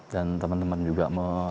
dan teman teman juga